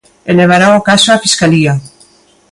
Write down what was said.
E levará o caso á fiscalía.